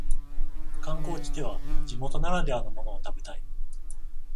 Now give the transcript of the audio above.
観光地では地元ならではのものを食べたい